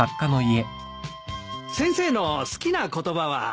先生の好きな言葉は？